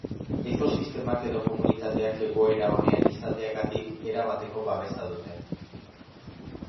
Ekosistemak edo komunitateak egoera onean izateagatik erabateko babesa dute.